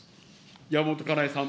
山本香苗さん。